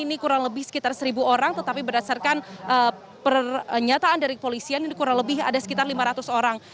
ini kurang lebih sekitar seribu orang tetapi berdasarkan pernyataan dari polisian ini kurang lebih ada sekitar lima ratus orang